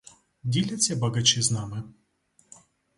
Діляться багачі з нами?